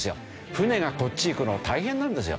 船がこっち行くの大変なんですよ。